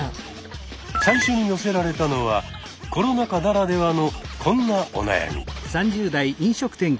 最初に寄せられたのはコロナ禍ならではのこんなお悩み。